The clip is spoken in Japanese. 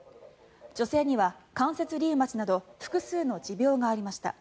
女性には関節リウマチなど複数の持病がありました。